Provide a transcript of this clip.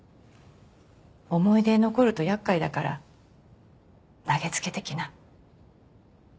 思い出残ると厄介だから投げつけてきな。